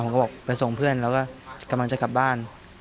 เขาบอกไปส่งเพื่อนแล้วก็กำลังจะกลับบ้าน